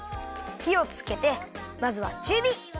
ひをつけてまずはちゅうび！